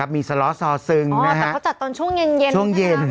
มีสล้อสอศึงนะฮะอ๋อแต่เขาจัดตอนช่วงเย็น